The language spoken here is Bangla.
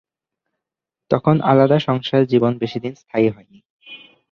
তখন আলাদা সংসার জীবন বেশিদিন স্থায়ী হয়নি।